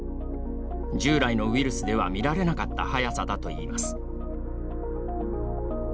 従来のウイルスでは見られなかった速さだといいます。